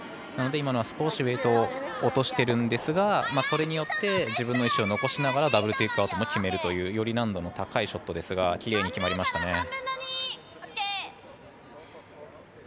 なので、今のは少しウエートを落としてますがそれによって自分の石を残しながらダブルテイクアウトを決めるより難度の高いショットですがきれいに決まりましたね。